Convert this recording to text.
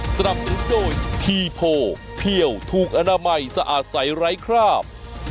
สนับสนุนโดยทีโพเพี่ยวถูกอนามัยสะอาดใสไร้คราบ